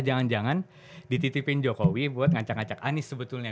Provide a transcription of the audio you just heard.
jangan jangan dititipin jokowi buat ngacak ngacak anies sebetulnya